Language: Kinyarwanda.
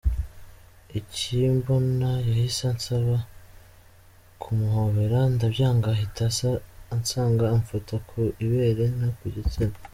Akimbona yahise ansaba kumuhobera, ndabyanga ahita aza ansaga amfata ku ibere no ku gitsina.